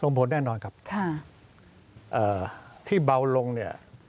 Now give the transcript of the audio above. ส่งผลแน่นอนครับที่เบาลงนี้